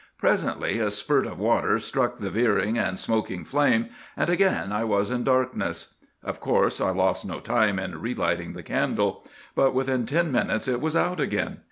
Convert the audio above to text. Presently a spurt of water struck the veering and smoky flame, and again I was in darkness. Of course I lost no time in relighting the candle; but within ten minutes it was out again.